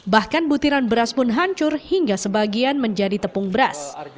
bahkan butiran beras pun hancur hingga sebagian menjadi tepung beras